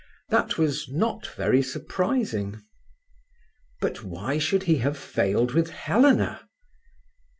That was not very surprising. But why should he have failed with Helena?